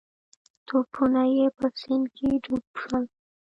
توپونه یې په سیند کې ډوب شول.